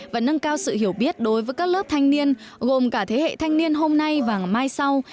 và nâng cao sự hiểu biết đối với các lớp thanh niên gồm cả thế hệ thanh niên hôm nay và mai sau